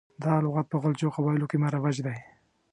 دا لغات په غلجو قبایلو کې مروج دی.